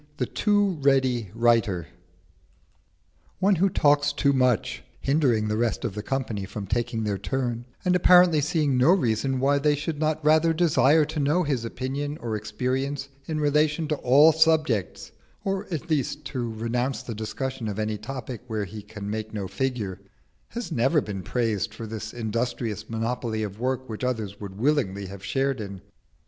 THE TOO READY WRITER One who talks too much, hindering the rest of the company from taking their turn, and apparently seeing no reason why they should not rather desire to know his opinion or experience in relation to all subjects, or at least to renounce the discussion of any topic where he can make no figure, has never been praised for this industrious monopoly of work which others would willingly have shared in.